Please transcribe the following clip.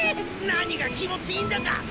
何が気持ちいいんだか！